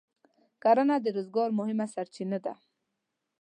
کرنه د روزګار مهمه سرچینه ده.